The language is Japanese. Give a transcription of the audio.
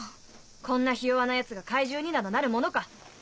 こんなひ弱な奴が怪獣になどなるものか。